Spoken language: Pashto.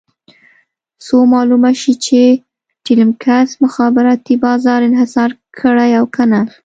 څو معلومه شي چې ټیلمکس مخابراتي بازار انحصار کړی او که نه.